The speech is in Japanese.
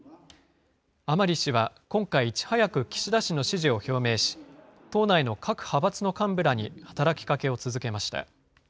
甘利氏は今回、いち早く岸田氏の支持を表明し、党内の各派閥の幹部らに働きかけを続けました。